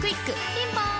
ピンポーン